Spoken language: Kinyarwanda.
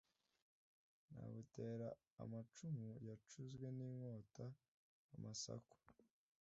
Nagutera amacumu yacuzwe n'intoki-Amasuka.